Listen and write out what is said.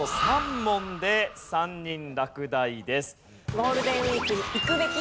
ゴールデンウィークに行くべき！